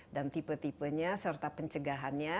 dan tipe tipenya serta pencegahannya